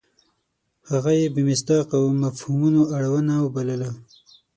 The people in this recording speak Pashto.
هغه یې بې مصداقه او مفهومونو اړونه وبلله.